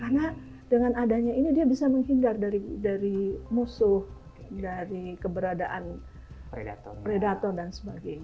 karena dengan adanya ini dia bisa menghindar dari musuh dari keberadaan predator dan sebagainya